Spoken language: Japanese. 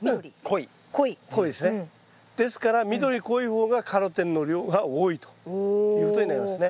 ですから緑濃い方がカロテンの量が多いということになりますね。